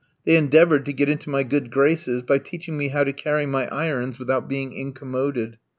They endeavoured to get into my good graces by teaching me how to carry my irons without being incommoded.